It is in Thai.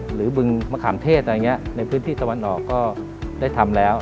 หรือบึงมะขามเทศในพื้นที่สวรรค์ออกได้ทำแล้ว